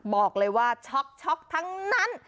บอกเลยว่าช็อกทั้งนั้น